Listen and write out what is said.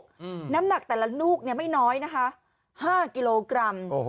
อืมน้ำหนักแต่ละลูกเนี้ยไม่น้อยนะคะห้ากิโลกรัมโอ้โห